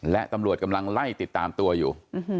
และตำรวจกำลังไล่ติดตามตัวอยู่